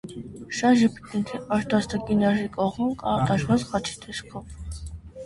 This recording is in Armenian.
Շատ ղպտիների աջ դաստակի ներսի կողմում կա դաջվածք խաչի տեսքով։